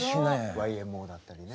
ＹＭＯだったりね。